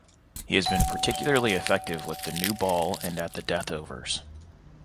He has been particularly effective with the new ball and at the death overs.